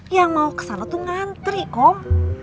yang mau ke sana tuh ngantri kom